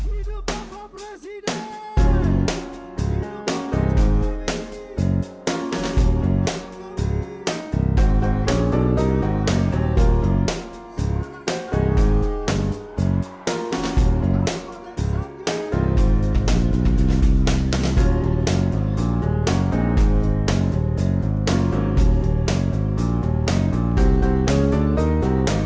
hidup bapak presiden